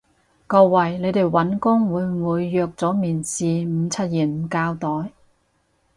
各位，你哋搵工會唔會約咗面試唔出現唔交代？